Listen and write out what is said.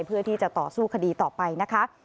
เพื่อที่จะต่อสู้คดีต่อไปนะคะ